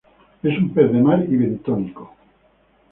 Es un pez de mar y bentónico.